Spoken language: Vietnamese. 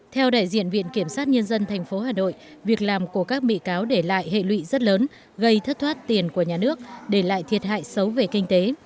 theo đại diện viện kiểm sát nhân dân tp hà nội việc làm của các bị cáo để lại hệ lụy rất lớn gây thất thoát tiền của nhà nước để lại thiệt hại xấu về kinh tế